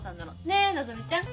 ねえのぞみちゃん？